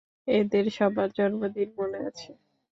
এদের সবার জন্মদিন মনে আছে।